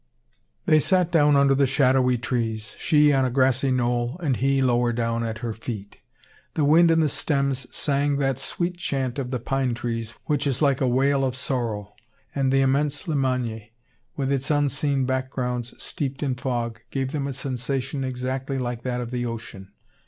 They sat down under the shadowy trees, she on a grassy knoll, and he lower down, at her feet. The wind in the stems sang that sweet chant of the pine trees which is like a wail of sorrow; and the immense Limagne, with its unseen backgrounds steeped in fog, gave them a sensation exactly like that of the ocean.